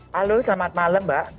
halo selamat malam mbak